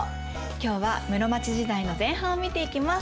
今日は室町時代の前半を見ていきます。